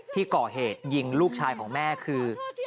ที่ก่อเหตุยิงลูกชายของแม่คือ